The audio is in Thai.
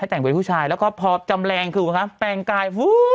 แต่งผู้ชายแล้วก็พอจำแรงคือคือปร่างกาย